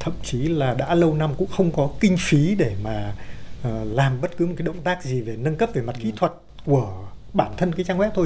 thậm chí là đã lâu năm cũng không có kinh phí để mà làm bất cứ một cái động tác gì về nâng cấp về mặt kỹ thuật của bản thân cái trang web thôi